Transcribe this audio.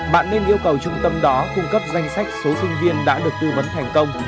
bạn nên yêu cầu trung tâm đó cung cấp danh sách số sinh viên đã được tư vấn thành công